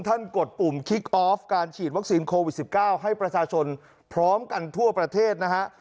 กดปุ่มคิกออฟการฉีดวัคซีนโควิด๑๙ให้ประชาชนพร้อมกันทั่วประเทศนะฮะ